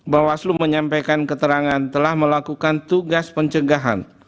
bawaslu menyampaikan keterangan telah melakukan tugas pencegahan